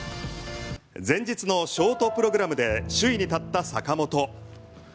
前日のショートプログラムで首位に立った坂本。